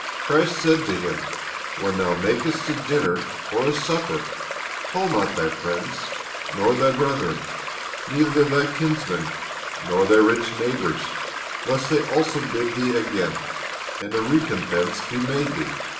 Christ said to him, "When thou makest a dinner or a supper, call not thy friends, nor thy brethren, neither thy kinsmen, nor thy rich neighbors, lest they also bid thee again, and a recompense be made thee.